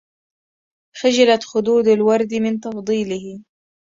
خجلت خدود الورد من تفضيله